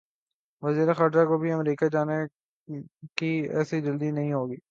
وزیر خارجہ کو بھی امریکہ جانے کی ایسی جلدی نہیں ہونی چاہیے۔